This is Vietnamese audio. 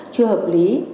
chưa hợp lý